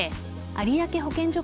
有明保健所